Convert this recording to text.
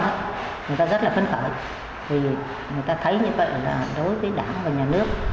người ta rất là phấn khởi vì người ta thấy như vậy là đối với đảng và nhà nước